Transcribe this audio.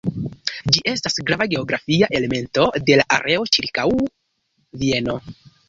Ĝi estas grava geografia elemento de la areo ĉirkaŭ Vieno.